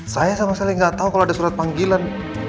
saya sama selin gak tau kalau ada surat panggilan